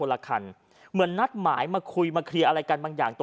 ในรถคันนึงเขาพุกอยู่ประมาณกี่โมงครับ๔๕นัท